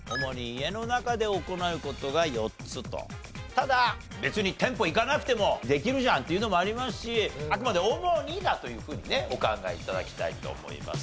ただ別に店舗行かなくてもできるじゃんっていうのもありますしあくまで主にだというふうにねお考え頂きたいと思います。